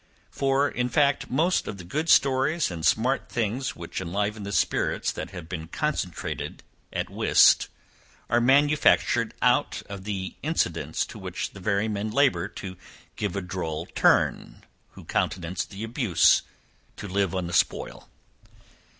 For, in fact, most of the good stories and smart things which enliven the spirits that have been concentrated at whist, are manufactured out of the incidents to which the very men labour to give a droll turn who countenance the abuse to live on the spoil.